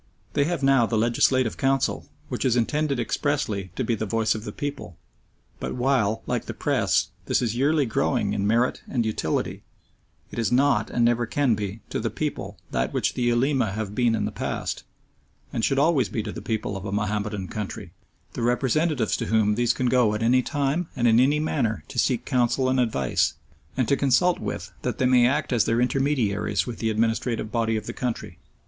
They have now the Legislative Council, which is intended expressly to be the voice of the people, but while, like the Press, this is yearly growing in merit and utility, it is not, and never can be, to the people that which the Ulema have been in the past, and should always be to the people of a Mahomedan country the representatives to whom these can go at any time and in any manner to seek counsel and advice, and to consult with that they may act as their intermediaries with the administrative body of the country.